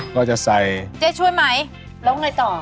ก็จะใส่เจ๊ช่วยไหมแล้วไงต่อ